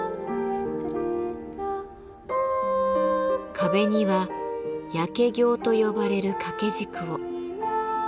壁には「焼経」と呼ばれる掛け軸を。